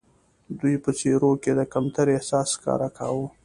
دوی په څېرو کې د کمترۍ احساس ښکاره کاوه.